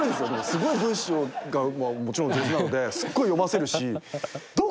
すごい文章がもちろん上手なのですっごい読ませるし。